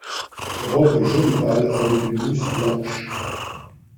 Robe jaune pâle avec une mousse blanche.